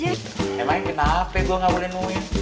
emang ya kenapa ya gue gak boleh nemuin